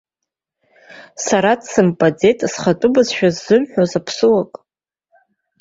Сара дсымбеит зхатәы бызшәа ззымҳәоз аԥсыуак.